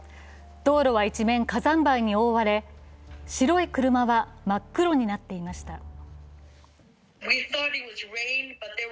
道路は一面火山灰に覆われ白い車は真っ黒になっていました。